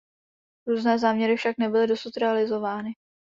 Různé záměry však nebyly dosud realizovány.